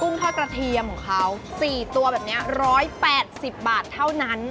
ทอดกระเทียมของเขา๔ตัวแบบนี้๑๘๐บาทเท่านั้น